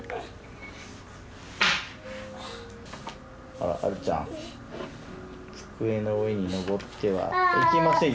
あらあるちゃん机の上に登ってはいけません。